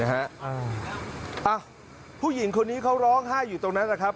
ผู้หญิงคนนี้เขาร้องไห้อยู่ตรงนั้นแหละครับ